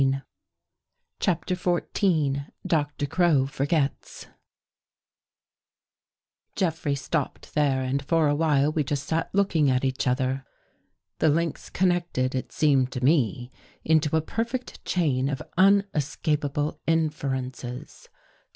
" CHAPTER XIV DOCTOR CROW FORGETS J EFFREY stopped there and for a while we just sat looking at each other. The links con nected, it seemed to me, into a perfect chain of un escapable inferences.